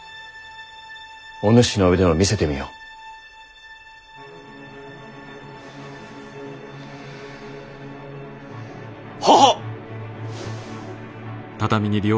お主の腕を見せてみよ。ははっ！